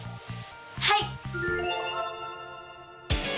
はい！